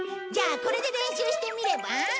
じゃあこれで練習してみれば？